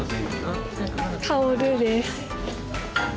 「香る」です。